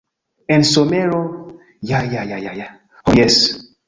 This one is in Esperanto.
En somero, ja ja ja ja ja... ho jes!